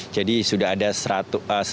jadi sudah ada seratus